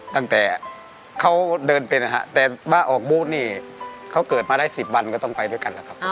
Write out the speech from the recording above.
ตั้งแต่เขาเดินเป็นนะฮะแต่บ้าออกบูธนี่เขาเกิดมาได้๑๐วันก็ต้องไปด้วยกันนะครับ